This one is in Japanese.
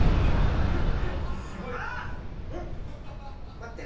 ⁉待ってね。